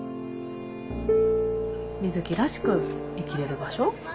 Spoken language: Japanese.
みずきらしく生きれる場所。